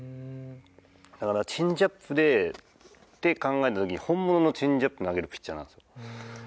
だからチェンジアップでって考えた時本物のチェンジアップ投げるピッチャーなんです。